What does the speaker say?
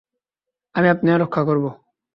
আমি আপনাকে রক্ষা করব।